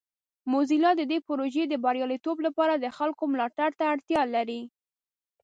موزیلا د دې پروژې د بریالیتوب لپاره د خلکو ملاتړ ته اړتیا لري.